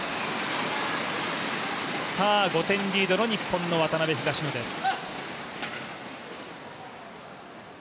５点リードの日本の渡辺・東野です。